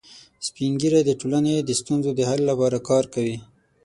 سپین ږیری د ټولنې د ستونزو د حل لپاره کار کوي